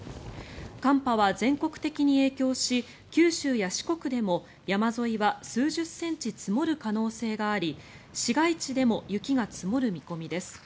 寒波は全国的に影響し九州や四国でも山沿いは数十センチ積もる可能性があり市街地でも雪が積もる見込みです。